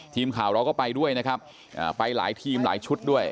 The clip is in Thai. ทีมข่าวเราก็ไปด้วยนะครับไปหลายทีมหลายชุดด้วย